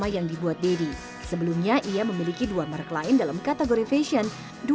baik sungguh daily gegame ini punya segitu mereka punya collection list tentu punya volume